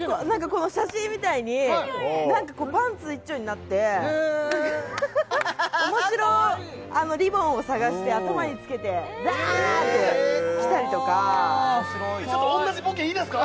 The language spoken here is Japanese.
この写真みたいにパンツ一丁になってへえハハハハかわいいおもしろリボンを探して頭につけてダーッて来たりとかおもしろいちょっと同じボケいいですか？